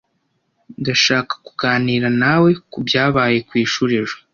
Ndashaka kuganira nawe kubyabaye ku ishuri ejo.